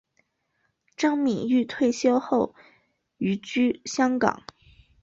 张敏钰退休后寓居香港。